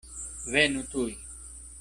Venu tuj.